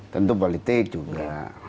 tentu politik juga